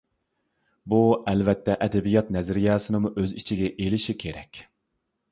بۇ ئەلۋەتتە ئەدەبىيات نەزەرىيەسىنىمۇ ئۆز ئىچىگە ئېلىشى كېرەك.